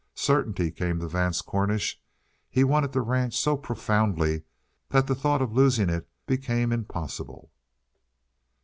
Certainty came to Vance Cornish. He wanted the ranch so profoundly that the thought of losing it became impossible.